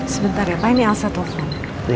sebentar ya pa ini elsa telepon